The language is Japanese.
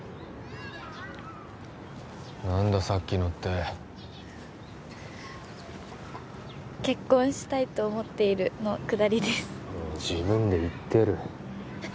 何ださっきのって「結婚したいと思っている」のくだりですもう自分で言ってるえっ